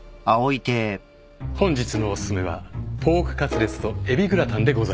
本日のお薦めはポークカツレツとえびグラタンでございます。